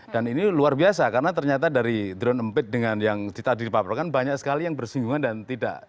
dan ini luar biasa karena ternyata dari drone emped dengan yang tadi dipaparkan banyak sekali yang bersinggungan dan tidak